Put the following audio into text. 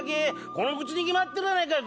この口に決まってるやないかい。